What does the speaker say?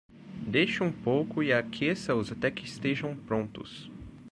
Deixe um pouco e aqueça-os até que estejam prontos.